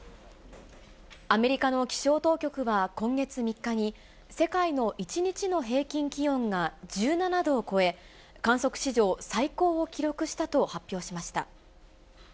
アメリカの気象当局は今月３日に、世界の１日の平均気温が１７度を超え、観測史上最高を記録したと発表しました。